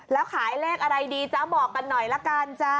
แล้วขายเลขอะไรดีจ๊ะบอกกันหน่อยละกันจ๊ะ